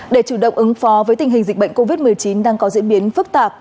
để chủ động ứng phó với tình hình dịch bệnh covid một mươi chín đang có diễn biến phức tạp